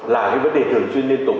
là cái vấn đề thường xuyên liên tục